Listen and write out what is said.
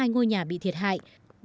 sáu mươi hai ngôi nhà bị thiệt hại